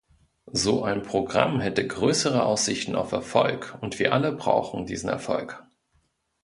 So ein Programm hätte größere Aussichten auf Erfolg, und wir alle brauchen diesen Erfolg.